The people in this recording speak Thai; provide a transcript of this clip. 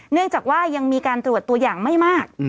เนื่องจากว่ายังมีการตรวจตัวอย่างไม่มาก